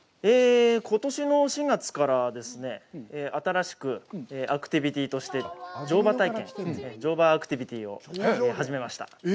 ことしの４月からですね、新しくアクティビティとして乗馬体験、乗馬アクティビティを始めました。